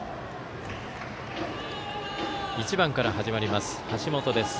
１番から始まります、橋本です。